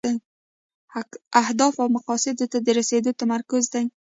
اهدافو او مقاصدو ته د رسیدو تمرکز دی.